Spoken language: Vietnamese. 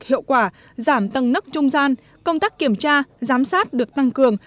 hiệu quả giảm tầng nấc trung gian công tác kiểm tra giám sát được tăng cường